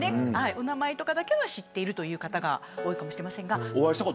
お名前だけは知っているという方が多いかもしれません。